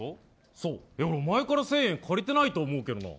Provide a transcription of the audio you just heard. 俺、お前から１０００円借りてないと思うけどな。